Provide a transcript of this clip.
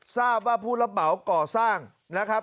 ทราบว่าผู้รับเหมาก่อสร้างนะครับ